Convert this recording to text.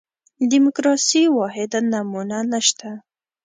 دیموکراسي واحده نمونه نه شته.